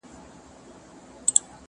په ژمي د کابل هوا سړه وي.